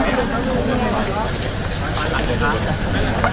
ภาษาสนิทยาลัยสุดท้าย